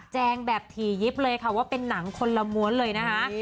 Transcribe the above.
งแบบถี่ยิบเลยค่ะว่าเป็นหนังคนละม้วนเลยนะคะ